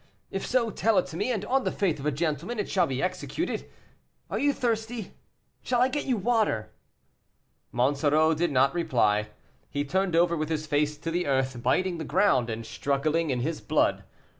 If so, tell it to me; and, on the faith of a gentleman, it shall be executed. Are you thirsty? Shall I get you water?" Monsoreau did not reply. He turned over with his face to the earth, biting the ground, and struggling in his blood.